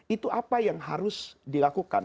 itu apa yang harus dilakukan